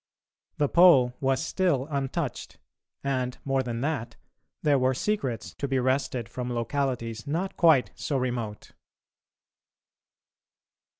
The Pole was still untouched, and, more than that, there were secrets to be wrested from localities not quite so remote.